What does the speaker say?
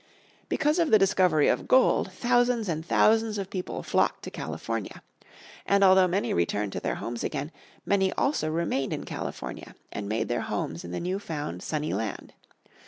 Because of the discovery of gold, thousands and thousands of people flocked to California. And although many returned to their homes again, many also remained in California, and made their homes in the new found sunny land.